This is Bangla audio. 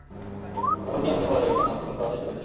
এখন কি আমাকে বলা যাবে কেন আমাকে খুন করার চেষ্টা করেছিলে?